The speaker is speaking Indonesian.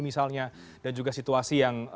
misalnya dan juga situasi yang